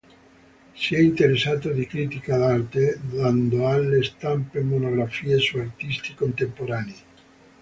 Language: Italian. Si è interessato di critica d'arte, dando alle stampe monografie su artisti contemporanei.